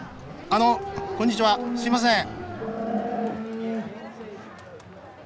あのすいません！